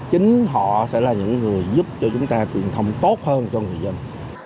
chính họ sẽ là những người giúp cho chúng ta truyền thông tốt hơn cho người dân